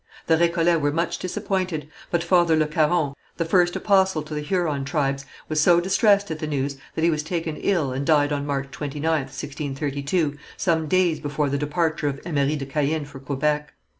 The Récollets were much disappointed, but Father Le Caron, the first apostle to the Huron tribes, was so distressed at the news that he was taken ill and died on March 29th, 1632, some days before the departure of Emery de Caën for Quebec.